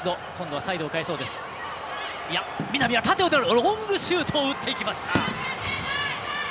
ロングシュートを打っていきました。